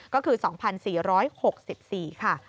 ก็คือ๒๔๖๔ค่ะ